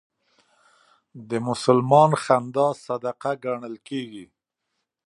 د مسلمان خندا صدقه ګڼل کېږي.